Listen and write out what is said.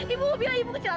ibu mau biar ibu kejahatan